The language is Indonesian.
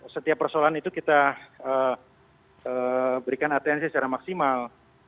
setiap persoalan itu kita berikan atensi secara maksimal